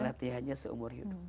dan latihannya seumur hidup